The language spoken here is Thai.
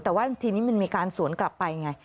แต่ว่าทีนี้มันมีการสวนกลับไปไง